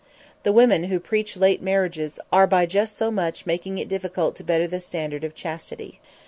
The women who preach late marriages are by just so much making it difficult to better the standard of chastity.